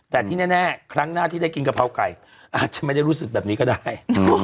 แต่ที่แน่ครั้งหน้าที่ได้กินกะเพราไก่อาจจะไม่ได้รู้สึกแบบนี้ก็ได้